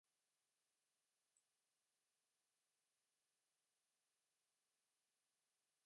additional ججوں کی طویل ادائیگیوں سے سوئس بینک منافعوں کے اگلے اعدادوشمار کے جدول ریلیز کر دیے گئے